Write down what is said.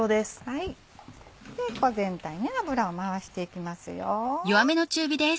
全体に油を回していきますよ。